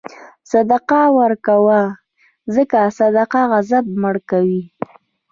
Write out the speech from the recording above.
صدقه ورکوه، ځکه صدقه غضب مړه کوي.